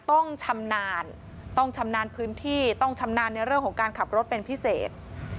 ต้องชำนาญต้องชำนาญพื้นที่ต้องชำนาญในเรื่องของการขับรถเป็นพิเศษ